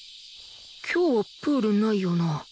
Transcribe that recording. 今日はプールないよな